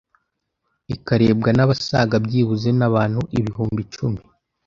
ikarebwa n’abasaga byibuze nabantu ibihumbi icumi